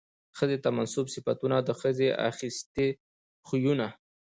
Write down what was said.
ښځې ته منسوب صفتونه او د ښځې اخىستي خوىونه